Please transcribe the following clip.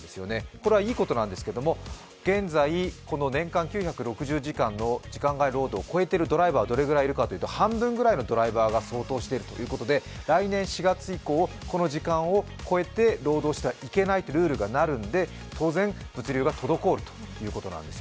これはいいことなんですけれども年間９６０時間の時間外労働を超えているドライバーがどれくらいいるかというと半分ぐらいの方が相当しているということで、来年４月以降、この時間を超えて労働してはいけないというルールになるので当然、物流が滞るということなんです。